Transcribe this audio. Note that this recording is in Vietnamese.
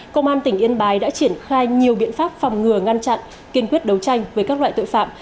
công an tỉnh yên bái đã triển khai nhiều biện pháp phòng ngừa ngăn chặn kiên quyết đấu tranh với các loại tội phạm